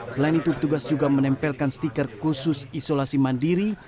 selain itu tugas juga menempelkan stiker khusus isolasi mandiri